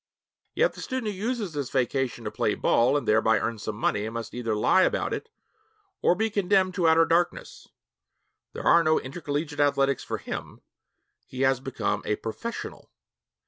Yet the student who uses this vacation to play ball and thereby earn some money must either lie about it or be condemned to outer darkness. There are no intercollegiate athletics for him; he has become a 'professional.'